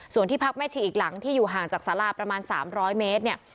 ส่วนที่พักแม่ชีอีกหลังที่อยู่ห่างจากสาราประมาณ๓๐๐เมตรเนี่ย